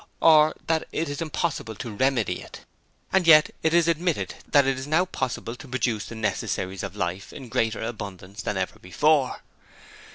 or, that it is impossible to remedy it! And yet it is admitted that it is now possible to produce the necessaries of life, in greater abundance than ever before!